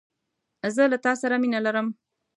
زه له تاسره مینه لرم